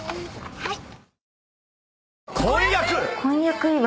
はい。